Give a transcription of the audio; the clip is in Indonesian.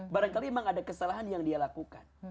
barangkali memang ada kesalahan yang dia lakukan